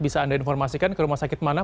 bisa anda informasikan ke rumah sakit mana